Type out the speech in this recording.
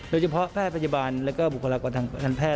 โดยเฉพาะแพทย์พยาบาลและก็บุคลากรทางแพทย์